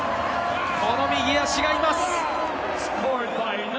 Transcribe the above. この右足がいます。